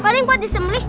paling buat disembelih